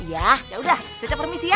nah yaudah cece permisi ya